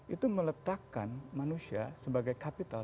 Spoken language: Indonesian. itu meletakkan manusia sebagai capital